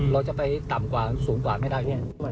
เราจะไปสูงกว่าไม่ได้